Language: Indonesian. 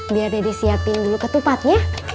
biar dede siapin dulu ketupatnya